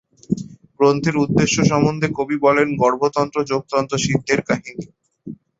গ্রন্থের উদ্দেশ্য সন্বন্ধে কবি বলেন: ‘গর্ভতন্ত্র যোগতন্ত্র সিদ্ধের কাহিনী।